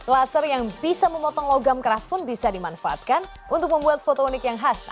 laser yang bisa memotong logam keras pun bisa dimanfaatkan untuk membuat foto unik yang khas